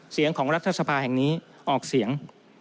เสียงของรัฐสภาแห่งนี้ออกเสียง